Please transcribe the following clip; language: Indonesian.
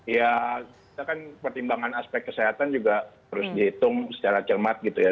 ya kita kan pertimbangan aspek kesehatan juga harus dihitung secara cermat gitu ya